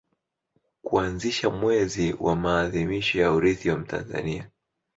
kuanzisha mwezi wa maadhimisho ya Urithi wa Mtanzania